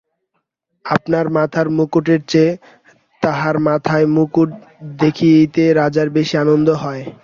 আপনার মাথায় মুকুটের চেয়ে তাহার মাথায় মুকুট দেখিতে রাজার বেশি আনন্দ হয়।